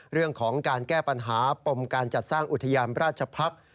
เรื่องของการแก้ปัญหาปมการจัดสร้างอุทยานราชพักษ์